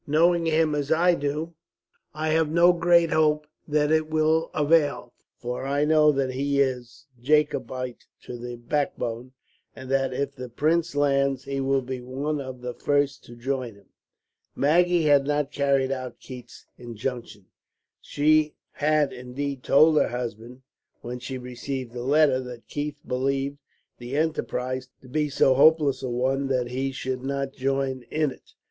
Knowing him as I do, I have no great hope that it will avail; for I know that he is Jacobite to the backbone, and that, if the Prince lands, he will be one of the first to join him." Maggie had not carried out Keith's injunction. She had indeed told her husband, when she received the letter, that Keith believed the enterprise to be so hopeless a one that he should not join in it.